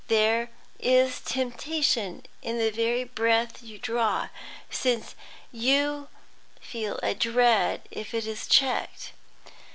There is temptation in the very breath you draw, since you feel a dread if it is checked.